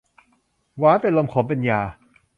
หวานเป็นลมขมเป็นยา